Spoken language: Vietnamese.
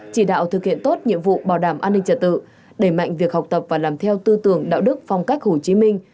chỉ đạo thực hiện tốt nhiệm vụ bảo đảm an ninh trật tự đẩy mạnh việc học tập và làm theo tư tưởng đạo đức phong cách hồ chí minh